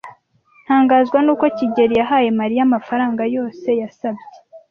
Ntangazwa nuko kigeli yahaye Mariya amafaranga yose yasabye.